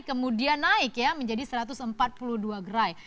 kemudian naik ya menjadi satu ratus empat puluh dua gerai